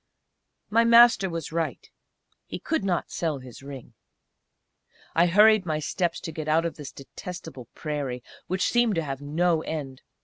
My Master was right. He could not sell his ring. I hurried my steps to get out of this detestable prairie, which seemed to have no end.